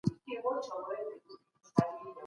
عالمانو د سولي تبلیغ کاوه.